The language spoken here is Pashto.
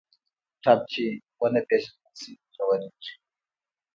ټپ چې نه پېژندل شي، ژورېږي.